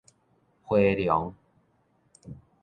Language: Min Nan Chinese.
迴龍